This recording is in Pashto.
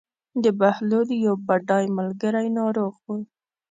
د بهلول یو بډای ملګری ناروغ و.